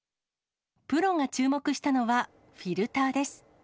プロが注目したのはフィルターです。